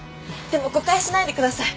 でも誤解しないでください。